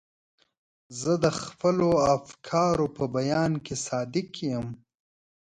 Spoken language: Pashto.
زه د خپلو افکارو په بیان کې صادق یم.